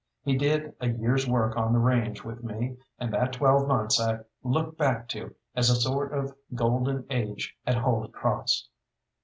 He did a year's work on the range with me, and that twelve months I look back to as a sort of golden age at Holy Cross.